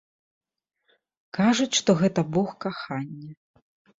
Кажуць, што гэта бог кахання.